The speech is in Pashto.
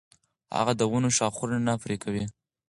هغه د ونو ښاخونه نه پرې کوي.